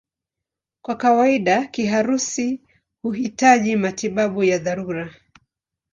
Kwa kawaida kiharusi huhitaji matibabu ya dharura.